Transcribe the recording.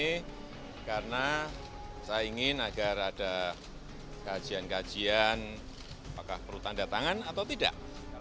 saya tidak ingin menandatangani karena saya ingin agar ada kajian kajian apakah perlu tandatangan atau tidak